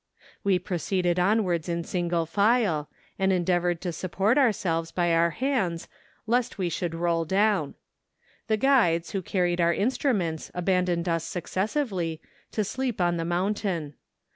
We proceeded onwards in single file, and endea¬ voured to support ourselves by our hands, lest we should roll down. The guides, who carried our in¬ struments, abandoned us successively, to sleep on the mountain.